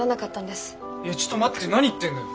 いやちょっと待って何言ってんの。